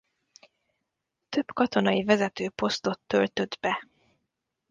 Több katonai vezető posztot töltött be.